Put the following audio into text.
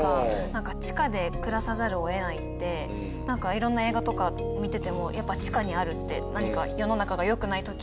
なんか地下で暮らさざるを得ないってなんかいろんな映画とか見ててもやっぱり地下にあるって何か世の中が良くない時だし。